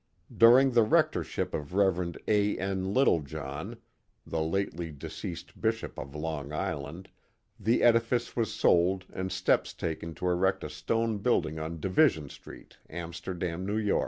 During the rectorship of Rev. A. N. Littlejohn (the lately deceased Bishop of Long Island) the edifice was sold and steps taken to erect a stone building on Division Street, Amsterdam, N. Y.